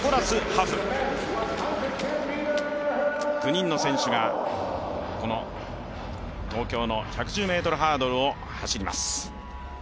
９人の選手が東京の１１０ｍハードルを走ります。